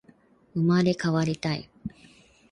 生まれ変わりたい